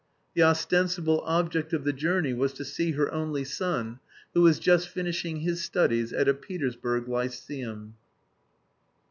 The ostensible object of the journey was to see her only son, who was just finishing his studies at a Petersburg lyceum.